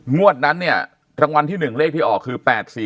งวดนั้นเนี่ยรางวัลที่๑เลขที่ออกคือ๘๔